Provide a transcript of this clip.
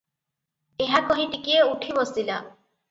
ଏହା କହି ଟିକିଏ ଉଠି ବସିଲା ।